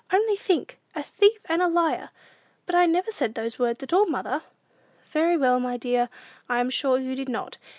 Only think, a thief and a liar! But I never said those words at all, mother!" "Very well, my dear; I am sure you did not.